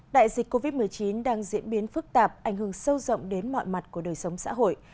đại dịch covid một mươi chín đang diễn biến phức tạp ảnh hưởng sâu rộng đến mọi mặt của đời sống xã hội